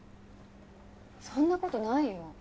そんな事ないよ。